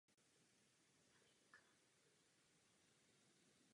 Dospěli jsme však do bodu obratu.